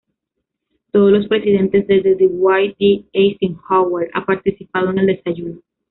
Todos los presidentes desde Dwight D. Eisenhower han participado en el desayuno.